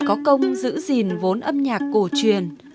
có công giữ gìn vốn âm nhạc cổ truyền